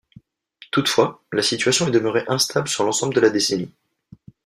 Toutefois, la situation est demeurée instable sur l'ensemble de la décennie.